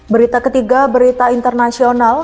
berita ketiga berita internasional